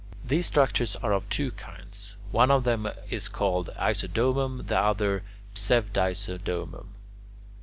These structures are of two kinds. One of them is called "isodomum," the other "pseudisodomum."